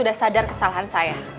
udah sadar kesalahan saya